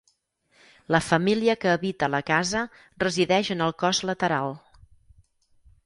La família que habita la casa resideix en el cos lateral.